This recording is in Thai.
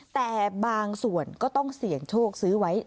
แต่บางส่วนก็ต้องเสี่ยงโชคซื้อไว้